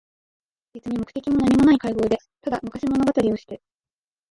べつに目的もなにもない会合で、ただ昔物語りをして、